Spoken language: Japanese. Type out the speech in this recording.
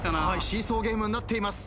シーソーゲームになっています。